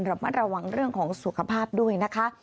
ระมัดระวังเรื่องของสุขภาพด้วยนะคะ